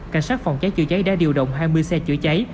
cảnh sát phòng cháy chữa cháy đã điều động hai mươi xe chữa cháy